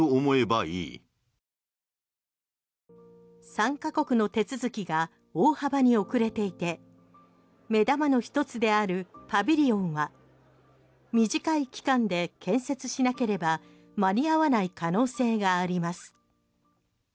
参加国の手続きが大幅に遅れていて目玉の１つであるパビリオンは短い期間で建設しなければ間に合わない可能性があります。